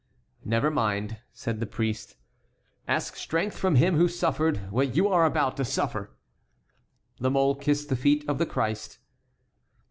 "Never mind," said the priest, "ask strength from Him who suffered what you are about to suffer." La Mole kissed the feet of the Christ.